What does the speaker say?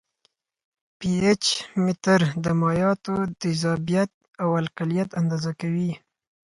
پي ایچ متر د مایعاتو تیزابیت او القلیت اندازه کوي.